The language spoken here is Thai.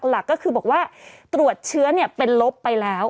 หลักก็คือบอกว่าตรวจเชื้อเป็นลบไปแล้ว